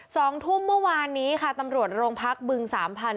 สองทุ่มเมื่อวานนี้ค่ะตำรวจโรงพักบึงสามพันธ